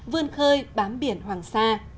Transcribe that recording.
vươn khơi bám biển hoàng sa